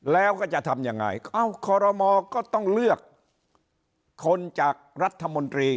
แล้วก็จะทำยังไงเอ้าคอรมอก็ต้องเลือกคนจากรัฐมนตรี